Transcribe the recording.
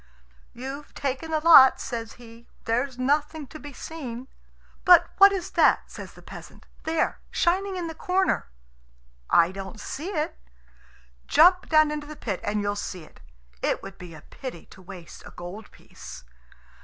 "You've taken the lot," says he; "there's nothing to be seen." "But what is that," says the peasant "there, shining in the corner?" "I don't see it." "Jump down into the pit and you'll see it. It would be a pity to waste a gold piece."